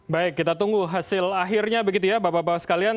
baik kita tunggu hasil akhirnya begitu ya bapak bapak sekalian